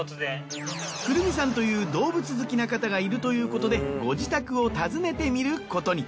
クルミさんという動物好きな方がいるということでご自宅を訪ねてみることに。